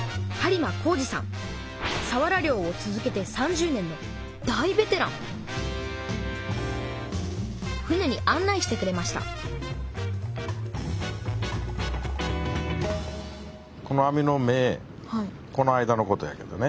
さわら漁を続けて３０年の大ベテラン船に案内してくれましたこの間のことやけどね。